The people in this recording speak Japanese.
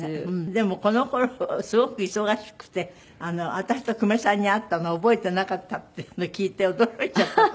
でもこの頃すごく忙しくて私と久米さんに会ったのを覚えてなかったっていうの聞いて驚いちゃって私。